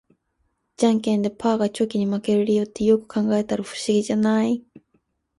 ジャンケンでパーがチョキに負ける理由って、よく考えたら不思議じゃない？